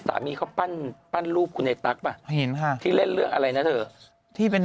สีเขารูปร่างดีแล้วนี่